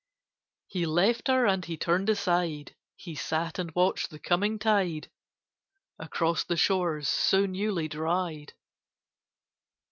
He left her, and he turned aside: He sat and watched the coming tide Across the shores so newly dried.